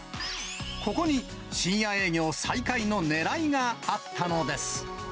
ここに深夜営業再開のねらいがあったのです。